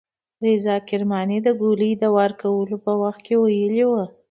رضا کرماني د ګولۍ د وار کولو په وخت کې ویلي وو.